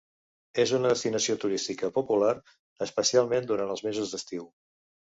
És una destinació turística popular, especialment durant els mesos d'estiu.